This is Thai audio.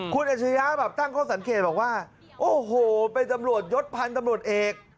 คุณอัชริยะแบบตั้งข้อสังเกตบอกว่าโอ้โหเป็นตำรวจยศพันธุ์ตำรวจเอก